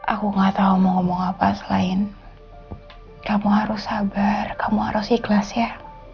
aku gak tau mau ngomong apa selain kamu harus sabar kamu harus ikhlas ya